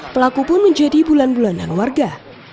pelaku pun menjadi bulan bulanan warga